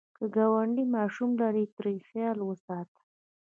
که ګاونډی ماشوم لري، ترې خیال وساته